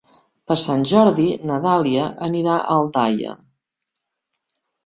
Per Sant Jordi na Dàlia anirà a Aldaia.